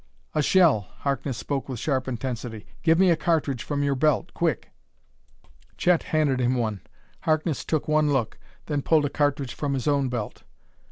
"A shell!" Harkness spoke with sharp intensity. "Give me a cartridge from your belt, quick!" Chet handed him one. Harkness took one look, then pulled a cartridge from his own belt.